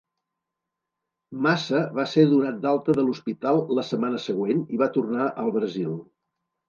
Massa va ser donat d'alta de l'hospital la setmana següent i va tornar al Brasil.